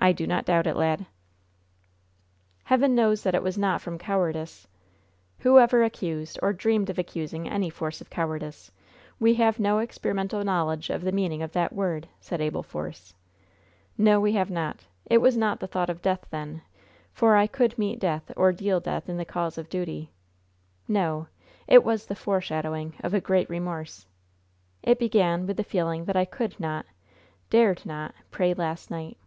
"I do not doubt it, lad." "Heaven knows that it was not from cowardice " "Who ever accused, or dreamed of accusing, any Force of cowardice? We have no experimental knowledge of the meaning of that word," said Abel Force. "No, we have not. It was not the thought of death, then, for I could meet death or deal death in the cause of duty. No; it was the foreshadowing of a great remorse. It began with the feeling that I could not, dared not, pray last night."